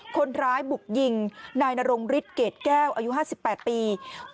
คนร้ายบุกยิงนายนรงฤทธิเกรดแก้วอายุ๕๘ปี